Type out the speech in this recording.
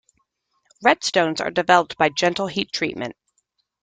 Red stones are developed by gentle heat treatment.